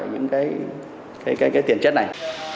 những cái tiền chất này